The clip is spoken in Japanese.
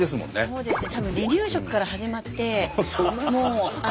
そうですね。